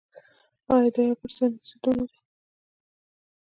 آیا دا یو ګډ صنعتي سیستم نه دی؟